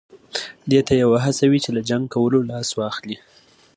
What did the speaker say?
دې ته یې وهڅوي چې له جنګ کولو لاس واخلي.